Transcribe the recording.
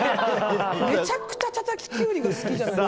めちゃくちゃ、たたききゅうり好きじゃないの。